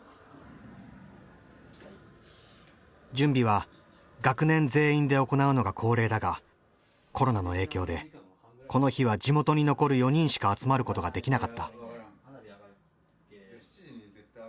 準備は学年全員で行うのが恒例だがコロナの影響でこの日は地元に残る４人しか集まることができなかった。